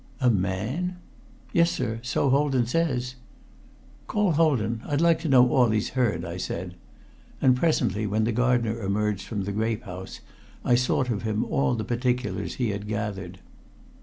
"A man!" "Yes, sir so Holden says." "Call Holden. I'd like to know all he's heard," I said. And presently, when the gardener emerged from the grape house, I sought of him all the particulars he had gathered.